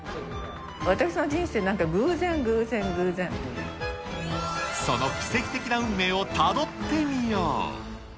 私の人生、なんか偶然、その奇跡的な運命をたどってみよう。